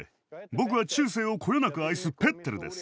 僕は中世をこよなく愛すペッテルです。